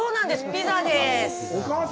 ピザでーす！